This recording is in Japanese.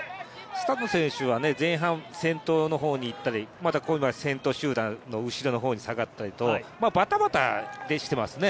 スタノ選手は前半先頭の方にいったり先頭集団の後ろの方に下がったりと、バタバタしていますね。